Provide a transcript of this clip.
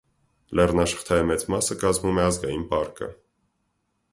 Լեռնաշղթայի մեծ մասը կազմում է ազգային պարկը։